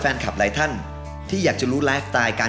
แต่ตอนนี้ที่จะไม่มีร้อมการ